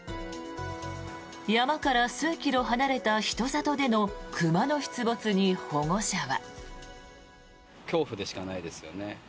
山から数キロ離れた人里での熊の出没に保護者は。